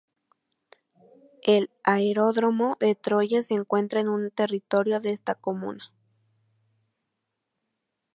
El aeródromo de Troyes se encuentra en territorio de esta comuna.